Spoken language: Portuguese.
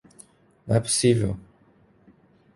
Não é possível!